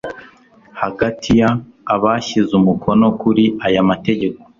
hagati y abashyize umukono kuri aya mategeko